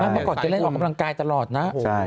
เมื่อก่อนจะเล่นออกกำลังกายตลอดนะ